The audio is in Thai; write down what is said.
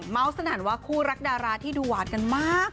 เมาทสนรบขัวคู่รักดาราที่ดูหวานกันมาก